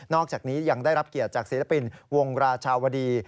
อกจากนี้ยังได้รับเกียรติจากศิลปินวงราชาวดี